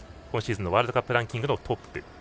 今シーズンのワールドカップランキングトップ。